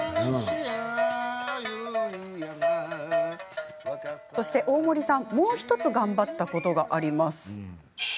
「ユイヤネ」そして大森さん、もう１つ頑張ったことがあります。